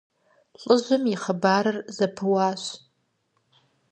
ЛӀыжьым и хъыбарыр зэпыуащ.